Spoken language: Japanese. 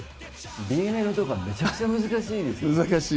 Ｂメロとか、めちゃくちゃ難しいですよ。